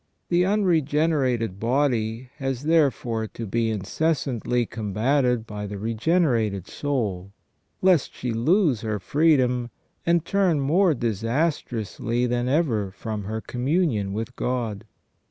The unregenerated body has, therefore, to be incessantly combated by the regenerated soul, lest she lose her freedom, and turn more disastrously than ever from her com munion with God.